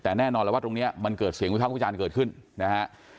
แต่แน่นอนแล้วว่าตรงนี้มันเกิดเสียงวิภาควิจารณ์เกิดขึ้นนะฮะ